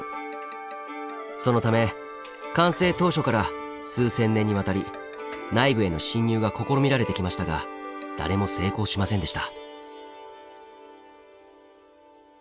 そのため完成当初から数千年にわたり内部への侵入が試みられてきましたが誰も成功しませんでした。